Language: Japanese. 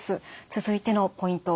続いてのポイント